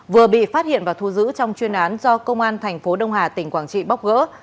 vừa bị phát hiện và thu giữ trong chuyên án do công an thành phố đông hà tỉnh quảng trị bóc gỡ